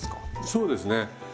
そうですね。